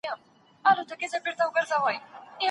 املا د تورو عنصر دی.